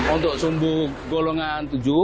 untuk sembuh golongan tujuh